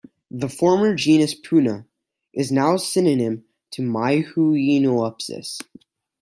The former genus "Puna" is now synonym to "Maihueniopsis".